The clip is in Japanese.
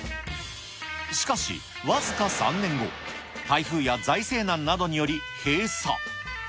しかし僅か３年後、台風や財政難などにより閉鎖。